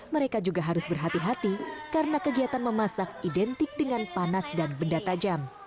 mereka juga harus berhati hati karena kegiatan memasak identik dengan panas dan benda tajam